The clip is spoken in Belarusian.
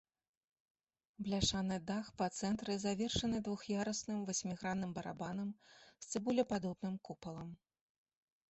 Бляшаны дах па цэнтры завершаны двух'ярусным васьмігранным барабанам з цыбулепадобным купалам.